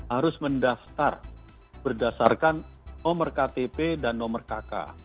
harus mendaftar berdasarkan nomor ktp dan nomor kk